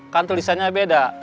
kan tulisannya beda